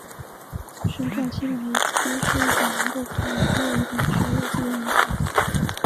绳状青霉菌是一种能够感染菠萝的植物病原体。